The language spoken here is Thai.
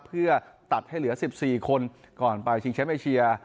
เพื่อตัดให้เหลือ๑๔คนก่อนไปชิงแชมป์เอเชีย